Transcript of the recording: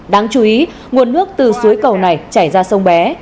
đáng chú ý nguồn nước từ suối cầu này chảy ra sông bé